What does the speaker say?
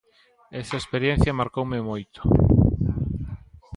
Esa experiencia marcoume moito.